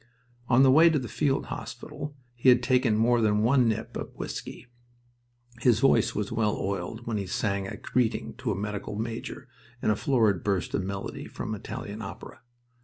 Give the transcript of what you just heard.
On the way to the field hospital he had taken more than one nip of whisky. His voice was well oiled when he sang a greeting to a medical major in a florid burst of melody from Italian opera.